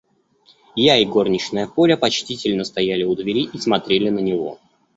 Я и горничная Поля почтительно стояли у двери и смотрели на него.